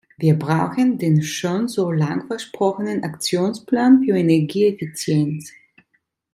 Wir brauchen den schon so lang versprochenen Aktionsplan für Energieeffizienz.